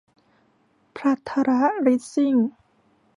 ภัทรลิสซิ่ง